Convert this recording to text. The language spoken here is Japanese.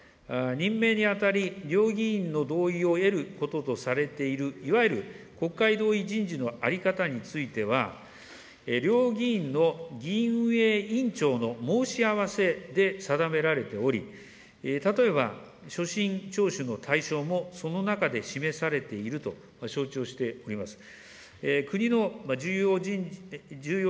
任命に当たり、両議院の同意を得ることとされている、いわゆる国会同意人事の在り方については、両議院の議院運営委員長の申し合わせで定められており、例えば、しょしん聴取の対象もその中で示されていると承知をしております。